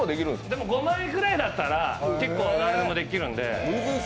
でも５枚ぐらいだったら結構、誰でもできるんで。